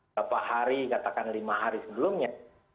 berapa hari katakan lima hari sebelumnya